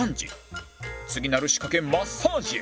次なる仕掛けマッサージへ